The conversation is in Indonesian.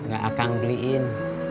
gak akan beliin